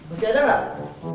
masih ada gak